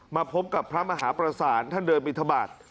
มาพบกับพระมหาประสานท่านเดินบินทบาท